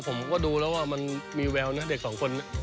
ผมก็ดูแล้วว่ามันมีแววนะเด็กสองคน